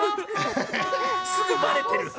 すぐバレてる！